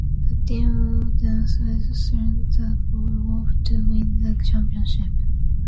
The team then swept through the playoffs to win the championship.